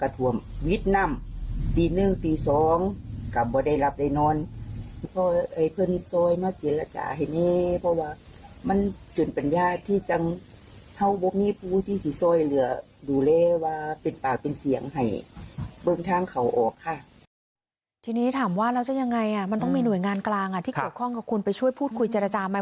ทีนี้ถามว่าแล้วจะยังไงมันต้องมีหน่วยงานกลางที่เกี่ยวข้องกับคุณไปช่วยพูดคุยเจรจาไหม